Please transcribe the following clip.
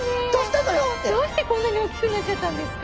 どうしてこんなに大きくなっちゃったんですか？